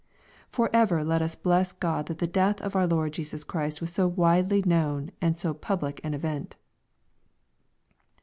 For ever let us bless Grod that the death of our Lord Jesus Christ was so widely known and so public an event.